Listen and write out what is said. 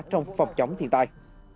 trong phòng chống thiên tai